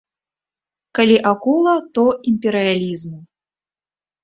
Калі акула, то імперыялізму.